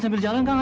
bapak ke mana